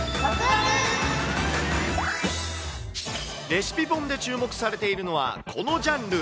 レシピ本で注目されているのは、このジャンル。